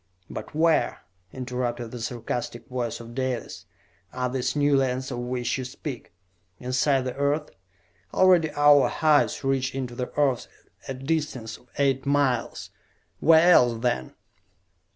"But where," interrupted the sarcastic voice of Dalis, "are these new lands of which you speak? Inside the Earth? Already our hives reach into the Earth a distance of eight miles. Where else, then?"